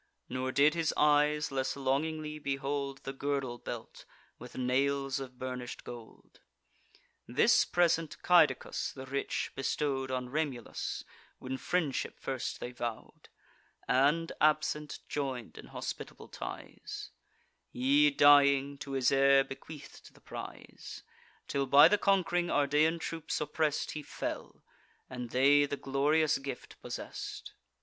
Nor did his eyes less longingly behold The girdle belt, with nails of burnish'd gold. This present Caedicus the rich bestow'd On Remulus, when friendship first they vow'd, And, absent, join'd in hospitable ties: He, dying, to his heir bequeath'd the prize; Till, by the conqu'ring Ardean troops oppress'd, He fell; and they the glorious gift possess'd.